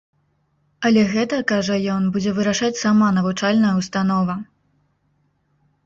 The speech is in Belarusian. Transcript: Але гэта, кажа ён, будзе вырашаць сама навучальная ўстанова.